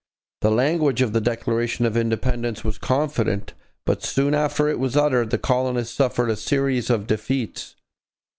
The language of the Declaration of Independence was confident, but soon after it was uttered the colonists suffered a series of defeats.